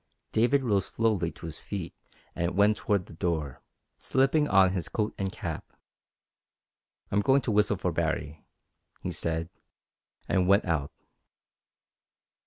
_" David rose slowly to his feet and went toward the door, slipping on his coat and cap. "I'm going to whistle for Baree," he said, and went out.